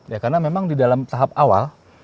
ya karena memang di dalam tahap awal